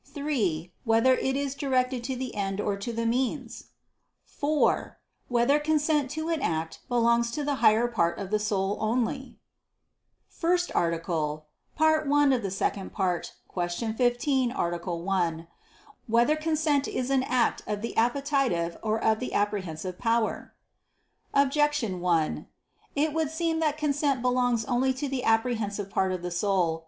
(3) Whether it is directed to the end or to the means? (4) Whether consent to an act belongs to the higher part of the soul only? ________________________ FIRST ARTICLE [I II, Q. 15, Art. 1] Whether Consent Is an Act of the Appetitive or of the Apprehensive Power? Objection 1: It would seem that consent belongs only to the apprehensive part of the soul.